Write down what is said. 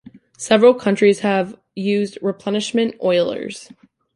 Several countries have used replenishment oilers.